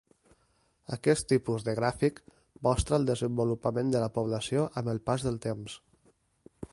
Aquest tipus de gràfic mostra el desenvolupament de la població amb el pas del temps.